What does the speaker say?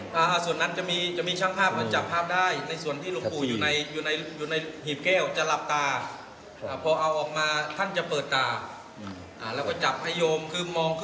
นี่ฮะพระอธิวัติท่านก็เล่าให้ฟังนะครับส่วนนี้ชาวบ้านพอทราบเรื่อง